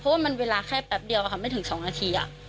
เพราะว่ามันเวลาแค่แปบเดียวค่ะไม่ถึงสองนาทีอ่ะ